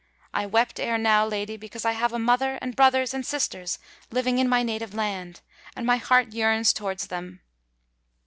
I wept ere now, lady, because I have a mother, and brothers, and sisters living in my native land; and my heart yearns towards them."